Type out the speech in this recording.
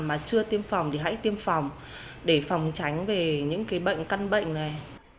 mà chưa tiêm phòng thì hãy tiêm phòng để phòng tránh về những bệnh căn bệnh này